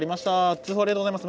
通報ありがとうございます。